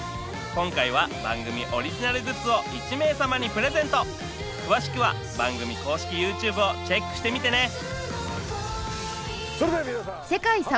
今回は番組オリジナルグッズを１名様にプレゼント詳しくは番組公式ＹｏｕＴｕｂｅをチェックしてみてね！